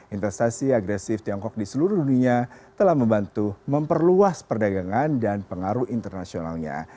investasi agresif tiongkok di seluruh dunia telah membantu memperluas perdagangan dan pengaruh internasionalnya